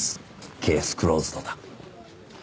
ケースクローズドだ。